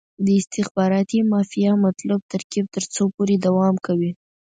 د استخباراتي مافیا مطلوب ترکیب تر څو پورې دوام کوي.